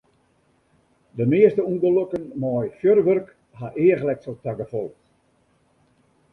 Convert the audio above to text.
De measte ûngelokken mei fjurwurk ha eachletsel ta gefolch.